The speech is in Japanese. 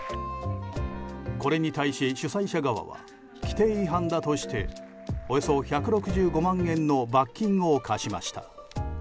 これに対し主催者側は規定違反だとしておよそ１６５万円の罰金を科しました。